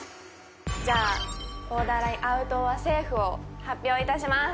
じゃあボーダーラインアウトｏｒセーフを発表いたします